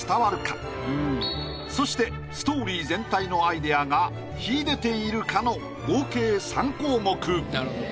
そしてストーリー全体のアイデアが秀でているかの合計３項目。